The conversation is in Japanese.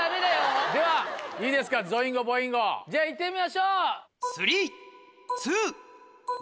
ではいいですかゾインゴボインゴじゃあいってみましょう。